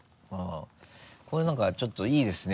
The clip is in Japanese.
これ何かちょっといいですね。